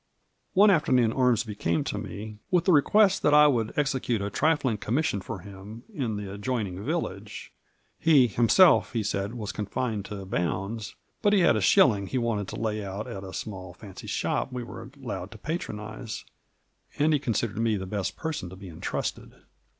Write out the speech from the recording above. One afternoon Ormsby came to me with the request that I would execute a trifling commission for him in the adjoining village ; he himself, he said, was confined to bounds, but he had a shilling he wanted to lay out at a small fancy shop we were allowed to patronize, and he considered me the best person to be intrusted.